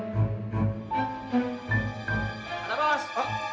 kan ada yang murni